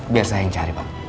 biar saya yang cari pak